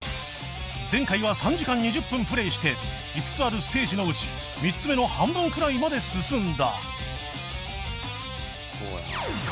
前回は３時間２０分プレイして５つあるステージのうち３つ目の半分くらいまで進んだ